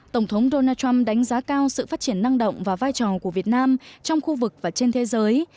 tổng thống donald trump đánh giá cao sự phát triển năng động và vai trò của việt nam trong khu vực và trên thế giới